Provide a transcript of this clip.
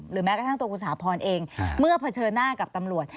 แม้กระทั่งตัวคุณสาพรเองเมื่อเผชิญหน้ากับตำรวจ